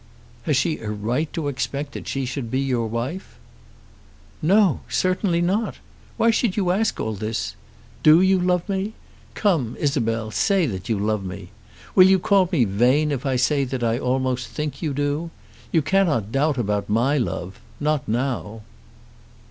"Has she a right to expect that she should be your wife?" "No; certainly not. Why should you ask all this? Do you love me? Come, Isabel; say that you love me. Will you call me vain if I say that I almost think you do? You cannot doubt about my love; not now."